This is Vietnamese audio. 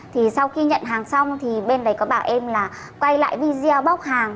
thì sau khi nhận hàng xong thì bên đấy có bảo em là quay lại video bóc hàng